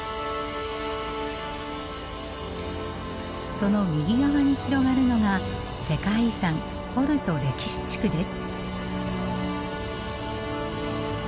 その右側に広がるのが世界遺産ポルト歴史地区です。